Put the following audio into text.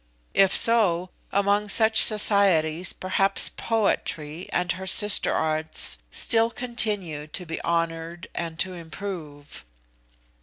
If so, among such societies perhaps Poetry and her sister arts still continue to be honoured and to improve?"